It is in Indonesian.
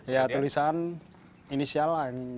iya tulisan inisial